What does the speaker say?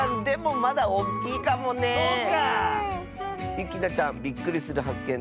ゆきなちゃんびっくりするはっけん